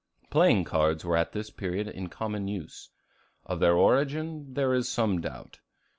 Playing cards were at this period in common use. Of their origin, there is some doubt.